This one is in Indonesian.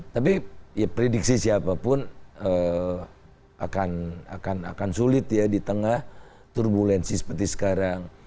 tapi ya prediksi siapapun akan sulit ya di tengah turbulensi seperti sekarang